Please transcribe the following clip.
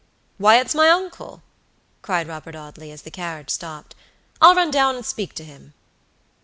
"Why, it's my uncle," cried Robert Audley, as the carriage stopped. "I'll run down and speak to him."